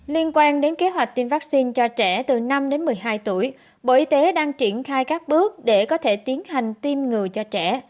liên quan đến kế hoạch tiêm vaccine cho trẻ từ năm đến một mươi hai tuổi bộ y tế đang triển khai các bước để có thể tiến hành tiêm ngừa cho trẻ